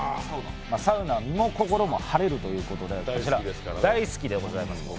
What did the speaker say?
サウナ、身も心も晴れるということで僕は大好きでございます。